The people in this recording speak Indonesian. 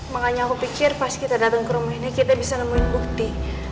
makanya aku pikir pas kita datang ke rumah ini kita bisa nemuin bukti